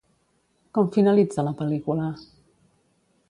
Com finalitza la pel·lícula?